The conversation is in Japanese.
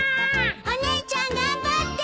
お姉ちゃん頑張って！